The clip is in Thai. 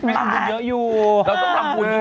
มันอาจทำผู้เยอะอยู่